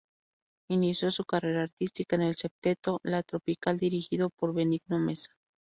Inició su carrera artística en el septeto La Tropical dirigido por Benigno Mesa.